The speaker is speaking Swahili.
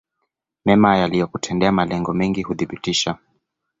mema aliyokutendea Malengo mengi huthibitisha